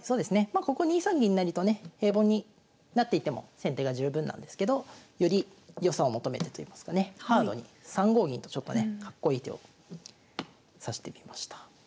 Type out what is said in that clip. まここ２三銀成とね平凡に成っていっても先手が十分なんですけどより良さを求めてといいますかねハードに３五銀とちょっとねかっこいい手を指してみました。